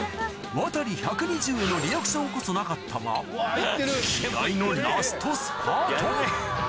ワタリ１２０へのリアクションこそなかったが気合のラストスパート！